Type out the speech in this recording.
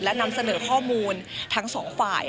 และนำเสนอข้อมูลทั้งสองฝ่าย